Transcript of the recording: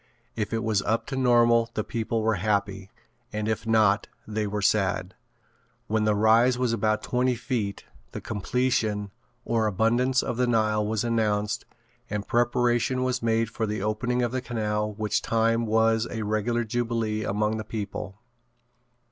If it was up to normal the people were happy and if not they were sad. When the rise was about twenty feet the "Completion" or "Abundance of the Nile" was announced and preparation was made for the opening of the canal which time was a regular jubilee among the people.